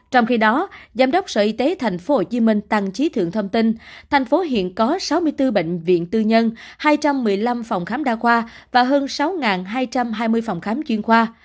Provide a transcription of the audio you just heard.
trong khi đó giám đốc sở y tế tp hcm tăng trí thượng thông tin thành phố hiện có sáu mươi bốn bệnh viện tư nhân hai trăm một mươi năm phòng khám đa khoa và hơn sáu hai trăm hai mươi phòng khám chuyên khoa